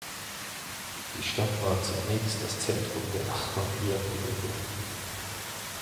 Die Stadt war zunächst das Zentrum der Ahmadiyya-Bewegung.